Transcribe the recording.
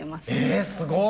えすごい！